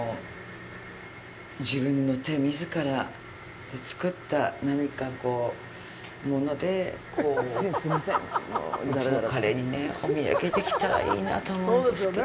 自分の手、みずからで作った何か、こう、もので、うちの彼にお土産できたらいいなと思うんですけど。